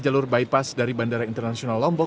jalur bypass dari bandara internasional lombok